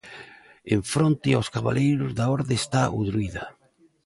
En fronte aos cabaleiros da Orde está o Druída.